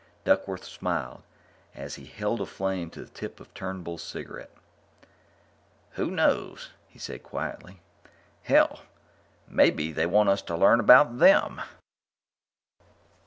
Duckworth smiled as he held a flame to the tip of Turnbull's cigarette. "Who knows?" he said quietly. "Hell, maybe they want us to learn about them!"